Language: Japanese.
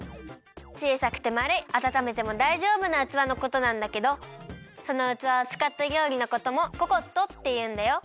ちいさくてまるいあたためてもだいじょうぶなうつわのことなんだけどそのうつわをつかったりょうりのこともココットっていうんだよ。